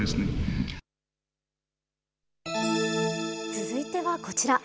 続いてはこちら。